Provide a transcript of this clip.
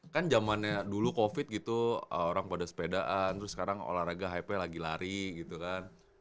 kan zamannya dulu covid gitu orang pada sepedaan terus sekarang olahraga hype lagi lari gitu kan